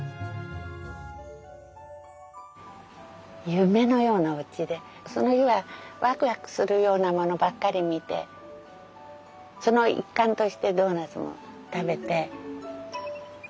夢のようなおうちでその日はワクワクするようなものばっかり見てその一環としてドーナツも食べて。